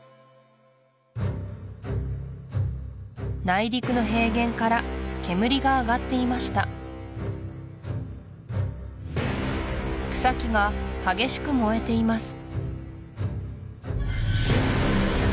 内陸の平原から煙が上がっていました草木が激しく燃えています